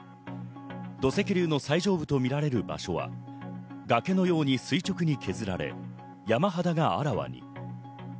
土石流の最上部と見られる場所は崖のように垂直に削られ、山肌があらわに。